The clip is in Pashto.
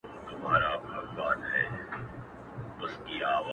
چي په ژوند یې ارمان وخېژي نو مړه سي.!